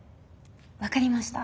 分かりました。